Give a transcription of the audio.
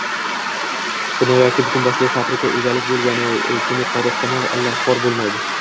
bino yoki butunboshli fabrika – egalik bo‘lgani uchun yuqori eʼtimol ila xor bo‘lmaydi.